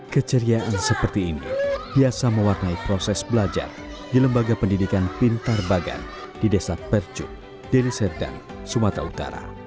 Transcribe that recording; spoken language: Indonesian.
keceriaan seperti ini biasa mewarnai proses belajar di lembaga pendidikan pintar bagan di desa percut deliserdang sumatera utara